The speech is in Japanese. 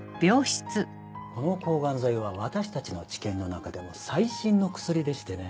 この抗がん剤は私たちの治験の中でも最新の薬でしてね